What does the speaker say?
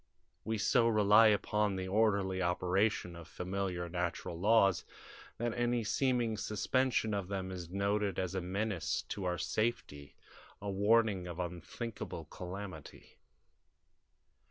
We so rely upon the orderly operation of familiar natural laws that any seeming suspension of them is noted as a menace to our safety, a warning of unthinkable calamity.